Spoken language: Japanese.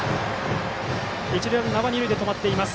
一塁ランナーは二塁で止まっています。